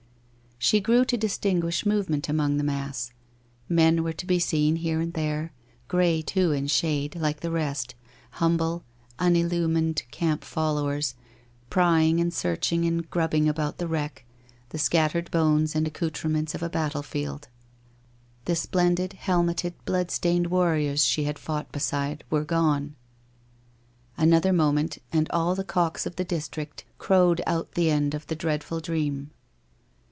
She grew to distinguish move ment among the mass. Men were to be seen here and there, grey too in shade, like the rest, humble, unillumined camp followers, prying and searching and grubbing among the wreck — the scattered bones and accoutrements of a battle field. The splendid, helmeted, bloodstained war riors she had fought beside, were gone. Another moment, and all the cocks of the district crowed out the end of the dreadful dream.